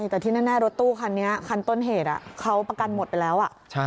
แต่ที่แน่รถตู้คันนี้คันต้นเหตุเขาประกันหมดไปแล้ว